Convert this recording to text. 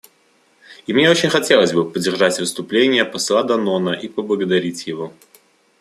И мне очень хотелось бы поддержать выступление посла Данона и поблагодарить его.